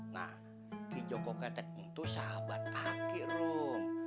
nah kijoko ketek itu sahabat aki rum